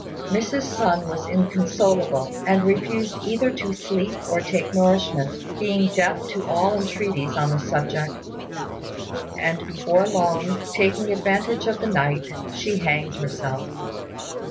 Mrs. Sun was inconsolable, and refused either to sleep or take nourishment, being deaf to all entreaties on the subject; and before long, taking advantage of the night, she hanged herself.